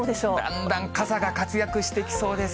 だんだん傘が活躍してきそうです。